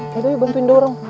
ya dong yuk bantuin dorong